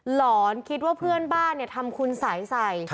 หลอนคิดว่าเพื่อนบ้านเนี่ยทำคุณสายใส